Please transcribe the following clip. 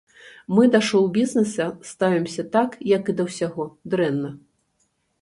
Мы да шоу-бізнеса ставімся так, як і да ўсяго, дрэнна.